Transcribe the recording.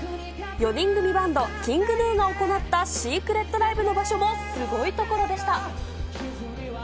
４人組バンド、ＫｉｎｇＧｎｕが行ったシークレットライブの場所もすごい所でした。